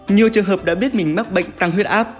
nhiều trường hợp đã biết mình mắc bệnh tăng huyết áp